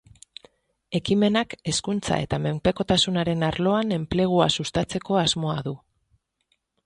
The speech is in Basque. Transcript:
Ekimenak hezkuntza eta menpekotasunaren arloan enplegua sustatzeko asmoa du.